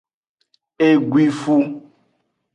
Eguifu.